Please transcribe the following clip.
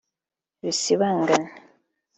bisibangane